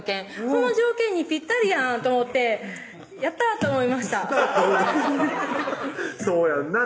この条件にぴったりやんと思ってやったー！と思いましたそうやんな